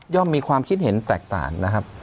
มีความคิดเห็นแตกต่างนะครับ